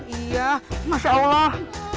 iya masya allah